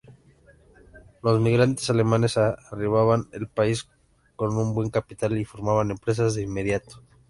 Los migrantes alemanes arribaban al país con buen capital y formaban empresas de inmediato.